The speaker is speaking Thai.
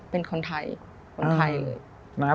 เป็นคนไทยผู้ไทย